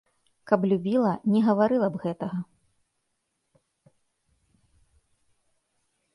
Каб любіла, не гаварыла б гэтага.